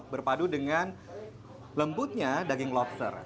berpadu dengan lembutnya daging lobster